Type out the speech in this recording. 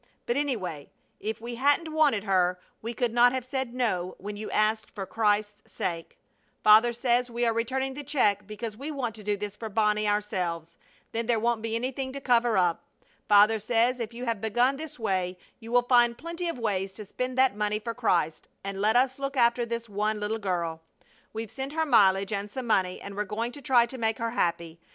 But, anyway, if we hadn't wanted her, we could not have said no when you asked for Christ's sake. Father says we are returning the check because we want to do this for Bonnie ourselves; then there won't be anything to cover up. Father says if you have begun this way you will find plenty of ways to spend that money for Christ and let us look after this one little girl. We've sent her mileage and some money, and we're going to try to make her happy.